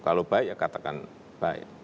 kalau baik ya katakan baik